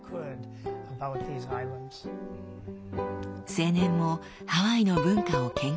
青年もハワイの文化を研究。